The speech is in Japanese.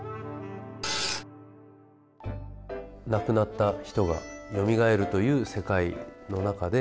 亡くなった人がよみがえるという世界の中で。